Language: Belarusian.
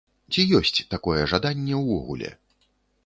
Ці ёсць такое жаданне ўвогуле?